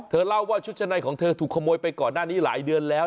เล่าว่าชุดชะในของเธอถูกขโมยไปก่อนหน้านี้หลายเดือนแล้ว